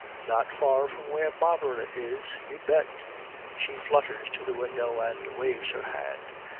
'Not far from where Barbara is, you bet.' She flutters to the window and waves her hand.